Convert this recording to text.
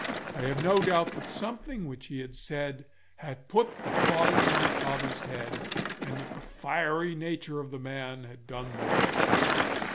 I have no doubt that something which he had said had put the thought into my father's head, and that the fiery nature of the man had done the rest.